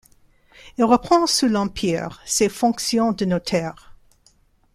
Il reprend sous l'Empire ses fonctions de notaire.